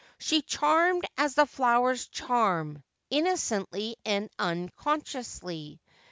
She charmed as the flowers charm, innocently and unconsciously.